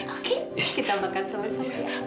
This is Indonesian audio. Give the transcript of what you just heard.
oke kita makan sama sama